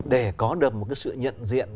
để có được một cái sự nhận diện